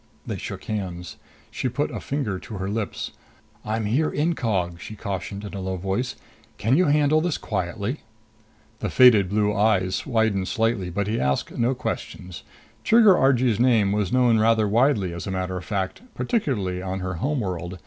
They shook hands. She put a finger to her lips. "I'm here incog!" she cautioned in a low voice. "Can you handle this quietly?" The faded blue eyes widened slightly, but he asked no questions. Trigger Argee's name was known rather widely, as a matter of fact, particularly on her home world.